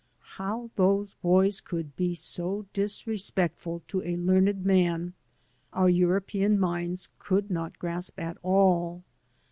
How those boys could be so disrespectful to a learned man our European minds could not grasp at all.